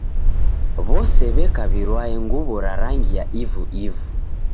W'ose w'eka w'irwae nguw'o ra rangi ya ivu-ivu.